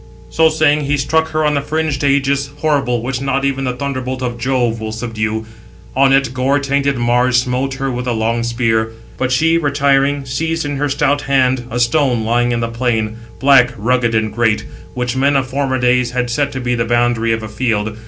So saying, he struck [her] on the fringed ægis, horrible, which not even the thunderbolt of Jove will subdue; on it gore tainted Mars smote her with the long spear. But she, retiring, seized in her stout hand a stone lying in the plain, black, rugged, and great, which men of former days had set to be the boundary of a field.